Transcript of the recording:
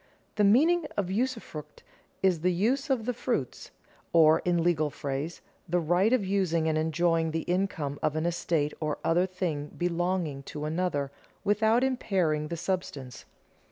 _ The meaning of usufruct is the use of the fruits, or in legal phrase: "the right of using and enjoying the income of an estate or other thing belonging to another, without impairing the substance."